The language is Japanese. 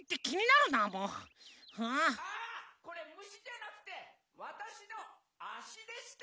・あこれむしじゃなくてわたしのあしでした！